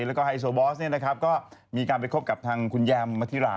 แล้วก็ไฮโซบอสก็มีการไปคบกับทางคุณแยมมธิรา